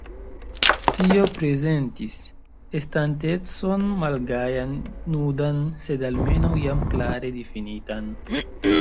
Tio prezentis estantecon malgajan, nudan, sed almenaŭ jam klare difinitan.